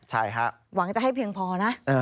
หวังจะให้เพียงพอนะ